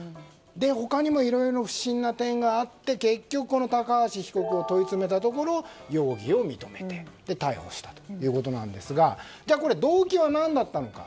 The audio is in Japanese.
他にもいろいろ不審な点があって結局、高橋被告を問い詰めたところ容疑を認めて逮捕したということなんですがじゃあ、動機は何だったのか。